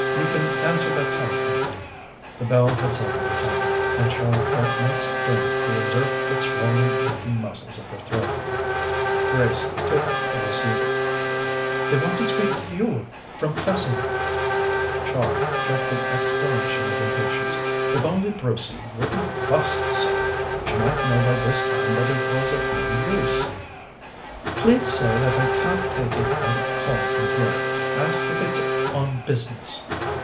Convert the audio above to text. You can answer that telephone." The bell had suddenly sounded, and Char felt no strength to exert the swollen, aching muscles of her throat. Grace took up the receiver. "They want to speak to you from Plessing." Char checked an exclamation of impatience. If only Brucey wouldn't fuss so! She might know by this time that it was of no use. "Please say that I can't take a private call from here. Ask if it's on business."